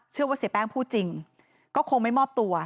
เชื่อว่าเสียแป้งพูดจริงก็คงไม่มอบตัว